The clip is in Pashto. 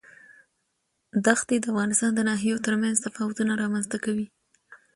ښتې د افغانستان د ناحیو ترمنځ تفاوتونه رامنځ ته کوي.